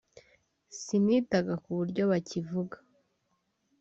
sinitaga k’uburyo bakivuga